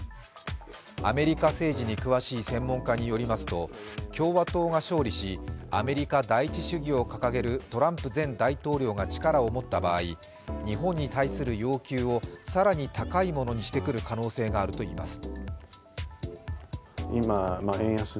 アメリカ政治に詳しい専門家によりますと、共和党が勝利し、アメリカ第一主義を掲げるトランプ前大統領が力を持った場合、日本に対する要求を更に高いものにしてくる可能性があるとしています。